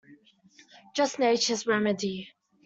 Just Nature's remedy.